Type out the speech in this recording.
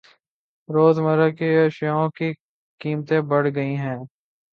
روز مرہ کے اشیاوں کی قیمتیں بڑھ گئ ہے۔